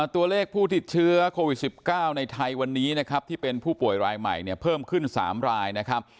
ตัวเลขผู้ติดเชื้อโควิด๑๙ในไทยวันนี้นะครับที่เป็นผู้ป่วยรายใหม่เนี่ยเพิ่มขึ้น๓รายนะครับ